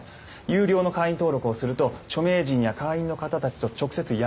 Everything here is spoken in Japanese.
有料の会員登録をすると著名人や会員の方たちと直接やり取りができる。